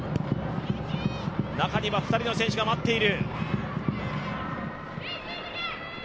中には２人の選手が待っている。